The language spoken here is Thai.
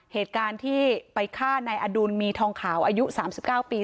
เหตุการณ์ที่ไปฆ่านายอดุลมีทองขาวอายุ๓๙ปี